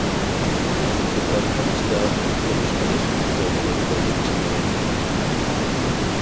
بىكار قىلىشتا ئۇقتۇرۇش قىلىش ئۇسۇلىنى قوللىنىش كېرەك.